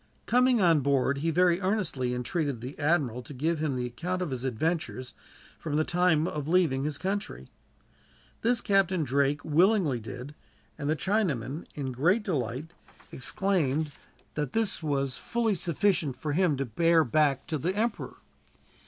Coming on board, he very earnestly entreated the admiral to give him the account of his adventures, from the time of leaving his country. This Captain Drake willingly did; and the Chinaman, in great delight, exclaimed that this was fully sufficient for him to bear back to the emperor.